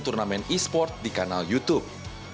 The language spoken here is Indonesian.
turnamen esports di kanal youtube